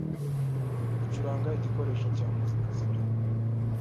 Ucuranga igikoresho cya muzika, sibyo?